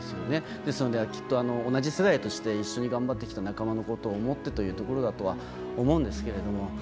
ですので、同じ世代として一緒に頑張ってきた仲間のことを思ってというところだと思うんですけど。